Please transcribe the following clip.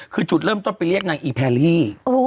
คือจุดเริ่มต้นไปเรียกนางอีแพรรี่